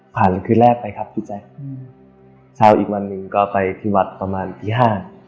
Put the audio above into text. ผ่านคืนแรกไปครับพี่แจ๊กชาวอีกวันหนึ่งก็ไปที่วัดประมาณที่ห้า